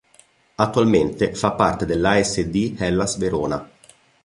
Attualmente fa parte dell'Asd Hellas Verona